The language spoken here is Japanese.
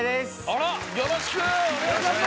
あらよろしくお願いします！